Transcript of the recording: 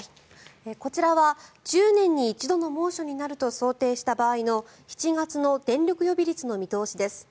こちらは１０年に一度の猛暑になると想定した場合の７月の電力予備率の見通しです。